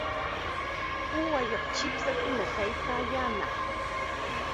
Uwayuq chipshakuna kaykaayaanaq.